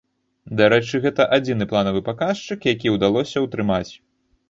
Дарэчы, гэта адзіны планавы паказчык, які ўдалося ўтрымаць.